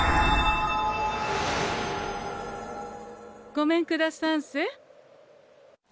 ごめんくださんせ。